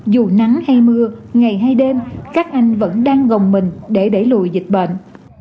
dù nắng hay mưa ngày hay đêm các anh vẫn đang gồng mình để đẩy lùi dịch bệnh